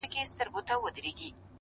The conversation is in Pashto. زمانې یمه یو عمر په خپل غېږ کي آزمېیلی -